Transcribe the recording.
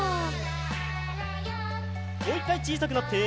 もう１かいちいさくなって。